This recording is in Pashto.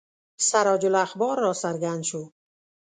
سراج الاخبار را څرګند شو.